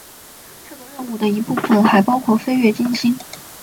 这个任务的一部分还包括飞越金星。